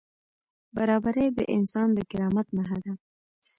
برابري د انسان د کرامت نښه ده.